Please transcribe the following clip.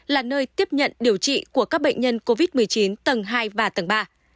là nơi tiếp nhận điều trị của các bệnh nhân covid một mươi chín tầng hai và tầng ba